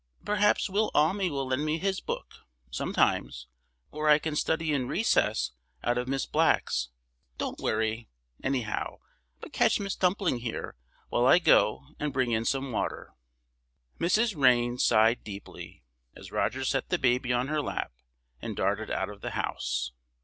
Perhaps Will Almy will lend me his book, sometimes, or I can study in recess out of Miss Black's. Don't worry, anyhow, but catch Miss Dumpling here, while I go and bring in some water." Mrs. Rayne sighed deeply, as Roger set the baby on her lap and darted out of the house.